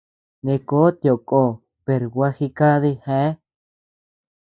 Neʼë kó tiʼö ko, per gua jikadi geá.